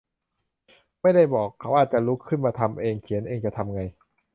ไม่ได้บอกว่าจะลุกขึ้นมาทำเองเขียนเองจะทำไง